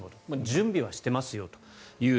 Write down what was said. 準備はしていますよと。